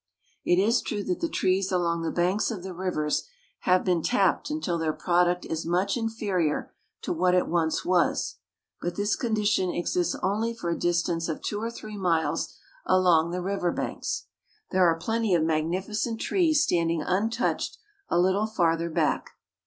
It is true that the trees along the banks of the rivers have been tapped until their product is much inferior to what it once was, but this condition exists only for a distance of two or three miles along the river banks. There are plenty of magnificent trees standing untouched a little farther back.